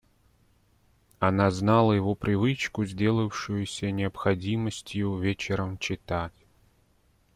Она знала его привычку, сделавшуюся необходимостью, вечером читать.